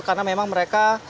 karena memang mereka